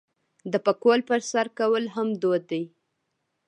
د پکول په سر کول هم دود دی.